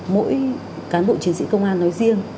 mỗi cán bộ chiến sĩ công an nói riêng